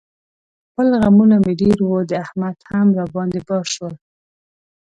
خپل غمونه مې ډېر و، د احمد هم را باندې بار شول.